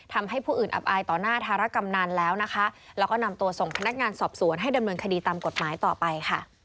ทำให้ผู้อื่นอับอายต่อหน้าธารกำนันแล้วนะคะแล้วก็นำตัวส่งพนักงานสอบสวนให้ดำเนินคดีตามกฎหมายต่อไปค่ะ